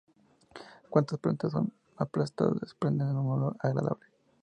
Cuántas plantas son aplastadas, desprenden un olor agradable.